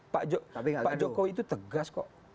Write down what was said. pak jokowi itu tegas kok